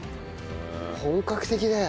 本格的だよ。